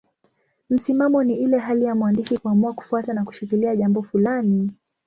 Msimamo ni ile hali ya mwandishi kuamua kufuata na kushikilia jambo fulani.